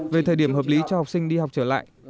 về thời điểm hợp lý cho học sinh đi học trở lại